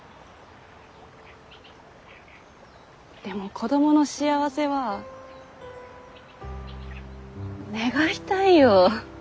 でも子供の幸せは願いたいよ。